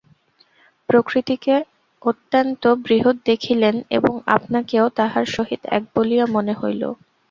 প্রকৃতিকে অত্যন্ত বৃহৎ দেখিলেন এবং আপনাকেও তাহার সহিত এক বলিয়া মনে হইল।